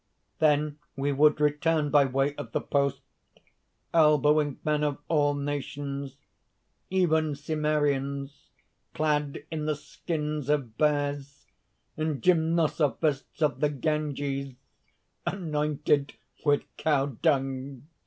Then we would return by way of the post, elbowing men of all nations, even Cimmerians clad in the skins of bears and Gymnosophists of the Ganges anointed with cow dung.